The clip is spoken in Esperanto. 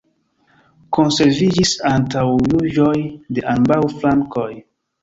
Konserviĝis antaŭjuĝoj de ambaŭ flankoj.